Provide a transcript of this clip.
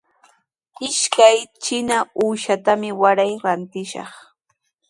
Ishkay trina uushatami waray rantishaq.